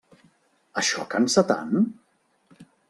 Això cansa tant?